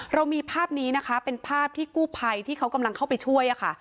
เรามีภาพนี้นะคะเป็นภาพที่กู้ภัยที่เขากำลังเข้าไปช่วยค่ะ